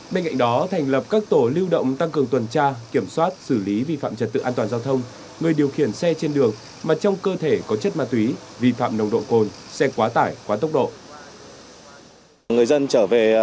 bên cạnh đó thành lập các tổ lưu động tăng cường tuần tra kiểm soát xử lý vi phạm trật tự an toàn giao thông người điều khiển xe trên đường mà trong cơ thể có chất ma túy vi phạm nồng độ cồn xe quá tải quá tốc độ